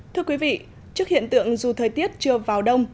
thưa quý vị trước hiện tượng dù thời tiết chưa vào đông